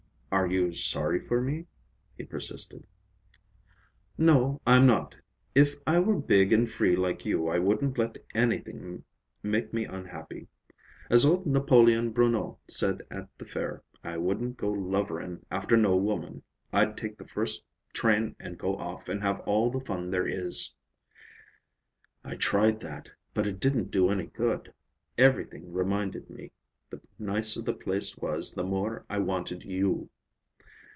"Are you sorry for me?" he persisted. "No, I'm not. If I were big and free like you, I wouldn't let anything make me unhappy. As old Napoleon Brunot said at the fair, I wouldn't go lovering after no woman. I'd take the first train and go off and have all the fun there is." "I tried that, but it didn't do any good. Everything reminded me. The nicer the place was, the more I wanted you."